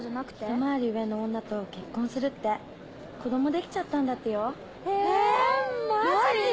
・・ひと回り上の女と結婚するって子供できちゃったんだってよ・えマジ？